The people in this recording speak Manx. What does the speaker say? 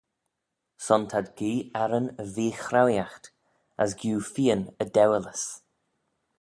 Son t'ad gee arran y vee-chraueeaght, as giu feeyn y dewilys.